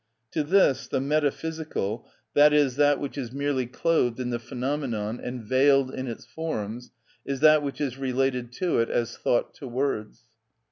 To this the metaphysical, i.e., that which is merely clothed in the phenomenon and veiled in its forms, is that which is related to it as thought to words.